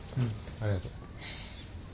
ありがとう。